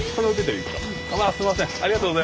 わあすいません。